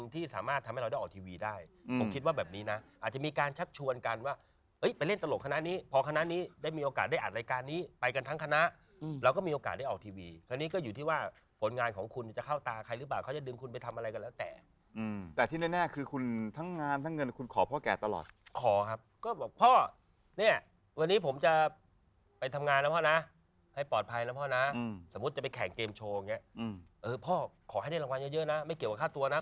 ถ้าชวนกันว่าไปเล่นตลกคณะนี้พอคณะนี้ได้มีโอกาสได้อัดรายการนี้ไปกันทั้งคณะเราก็มีโอกาสได้ออกทีวีทีนี้ก็อยู่ที่ว่าผลงานของคุณจะเข้าตาใครหรือเปล่าเขาจะดึงคุณไปทำอะไรก็แล้วแต่แต่ที่แน่คือคุณทั้งงานทั้งเงินคุณขอพ่อแก่ตลอดขอครับก็บอกพ่อเนี่ยวันนี้ผมจะไปทำงานนะพ่อนะให้ปลอดภัยนะพ่อนะ